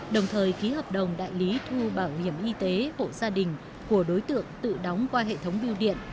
đồng thời ký hợp đồng đại lý thu bảo hiểm y tế hộ gia đình của đối tượng tự đóng qua hệ thống biêu điện